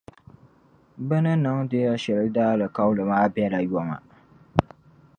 bɛ ni niŋdi ya shɛli daalikauli maa bela yoma.